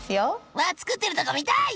わ作ってるとこ見たい！